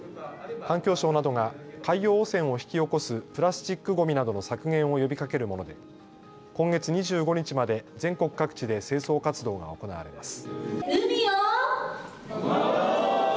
環境省などが海洋汚染を引き起こすプラスチックごみなどの削減を呼びかけるもので今月２５日まで全国各地で清掃活動が行われます。